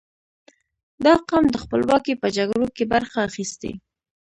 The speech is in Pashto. • دا قوم د خپلواکۍ په جګړو کې برخه اخیستې.